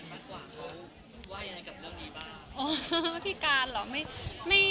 ชัดกว่าเขาว่ายังไงกับเรื่องดีบ้างโอ้พี่การหรอไม่